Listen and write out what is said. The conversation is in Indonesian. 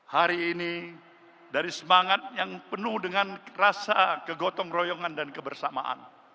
hari ini dari semangat yang penuh dengan rasa kegotong royongan dan kebersamaan